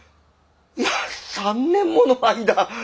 いや３年もの間。